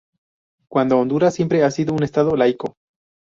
Cuando Honduras siempre ha sido un Estado laico.